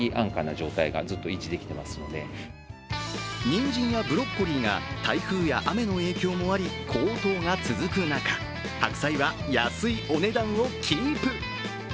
にんじんやブロッコリーが台風や雨の影響もあり高騰が続く中、白菜は安いお値段をキープ。